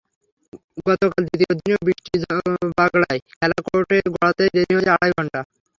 গতকাল দ্বিতীয় দিনেও বৃষ্টির বাগড়ায় খেলা কোর্টে গড়াতেই দেরি হয়েছে আড়াই ঘণ্টা।